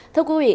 thưa quý vị